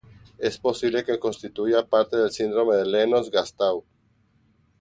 Es posible que constituya parte del síndrome de Lennox-Gastaut.